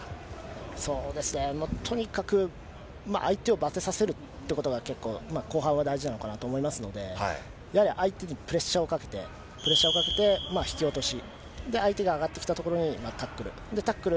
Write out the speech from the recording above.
そうですね、とにかく相手をばてさせるということが結構、後半は大事なのかなと思いますので、やはり相手にプレッシャーをかけて、プレッシャーをかけて、引き落とし、相手が上がってきたところにタックル。